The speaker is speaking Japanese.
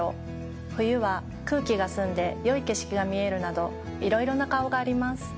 冬は空気が澄んで良い景色が見えるなどいろいろな顔があります。